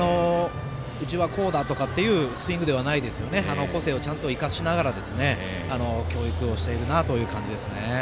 うちはこうだとかそういうスイングではなくて個性をちゃんと生かしながら教育をしているなという感じです。